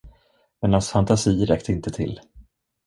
Men hans fantasi räckte inte till.